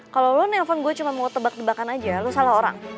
kalau lu nempon gue cuma mau tebak tebakan aja lu salah orang